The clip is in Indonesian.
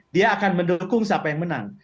dia akan mendukung siapa yang menang